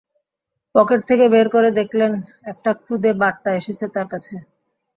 Pocket থেকে বের করে দেখলেন একটা খুদে বার্তা এসেছে তাঁর কাছে।